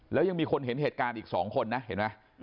แล้วยังมีคนเห็นเหตุการณ์อีก๒คนนะเห็นไหม